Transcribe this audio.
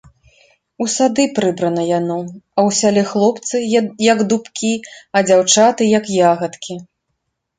У сады прыбрана яно, а ў сяле хлопцы, як дубкі, а дзяўчаты, як ягадкі.